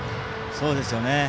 そうですよね。